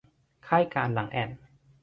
ไข้กาฬหลังแอ่น